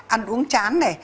ăn uống chán